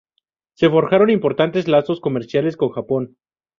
Se forjaron importantes lazos comerciales con Japón.